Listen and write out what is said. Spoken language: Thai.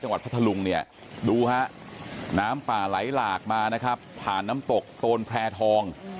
พัทธลุงเนี่ยดูฮะน้ำป่าไหลหลากมานะครับผ่านน้ำตกโตนแพร่ทอง